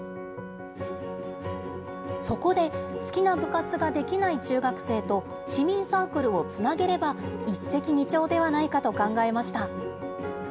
そこで好きな部活ができない中学生と、市民サークルをつなげれば、一石二鳥ではないかと考えました。